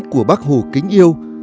của bác hồ kính yêu